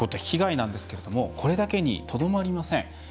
被害なんですけれどもこれだけにとどまりません。